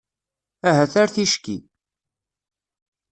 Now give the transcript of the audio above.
Ahat ar ticki.